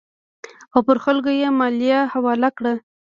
او پر خلکو یې مالیه حواله کړه.